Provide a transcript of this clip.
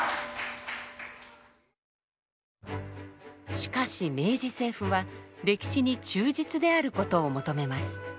しかし明治政府は歴史に忠実であることを求めます。